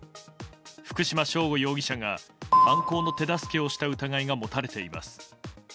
福島聖悟容疑者が犯行の手助けをした疑いが持たれています。